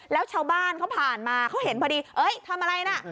แล้วชาวบ้านเขาผ่านมาเขาเห็นพอดีเอ้ยทำอะไรน่ะ